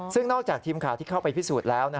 ซึ่งนอกจากทีมข่าวที่เข้าไปพิสูจน์แล้ว